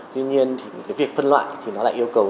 tuy nhiên thì cái việc phân loại thì nó lại yêu cầu